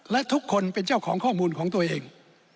และทุกคนเป็นเจ้าของข้อมูลของตัวเอง